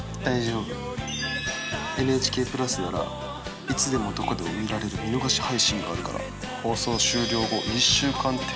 ＮＨＫ＋ならいつでもどこでも見られる見逃し配信があるから放送終了後１週間程度見られるのさ。